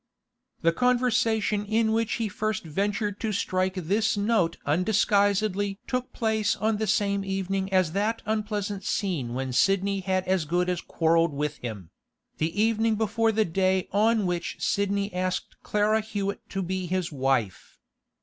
The conversation in which he first ventured to strike this note undisguisedly took place on the same evening as that unpleasant scene when Sidney as good as quarrelled with him—the evening before the day on which Sidney asked Clara Hewett to be his wife.